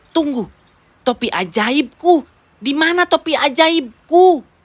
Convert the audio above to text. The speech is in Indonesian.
tunggu topi ajaibku dimana topi ajaibku